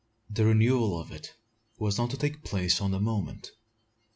The renewal of it was not to take place on the moment.